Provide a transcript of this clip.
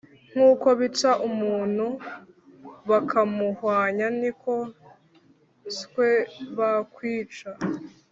Nk’uko bica umuntu bakamuhwanya niko nswe bakwica